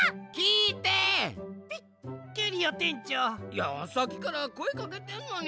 いやさっきからこえかけてんのに。